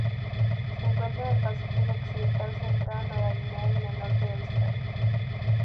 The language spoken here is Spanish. Se encuentra en el Pacífico occidental central: Nueva Guinea y el norte de Australia.